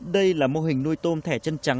đây là mô hình nuôi tôm thẻ chân trắng